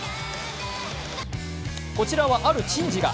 こちらは、ある珍事が。